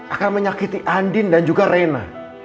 akan menyakiti andin dan juga rena